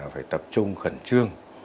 phải tập trung khẩn trương